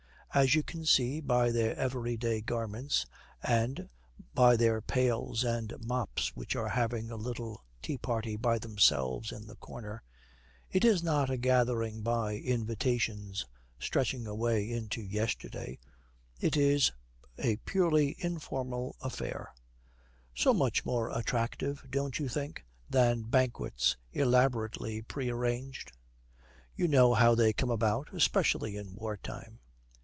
As you can see by their everyday garments, and by their pails and mops (which are having a little tea party by themselves in the corner), it is not a gathering by invitations stretching away into yesterday, it is a purely informal affair; so much more attractive, don't you think? than banquets elaborately prearranged. You know how they come about, especially in war time.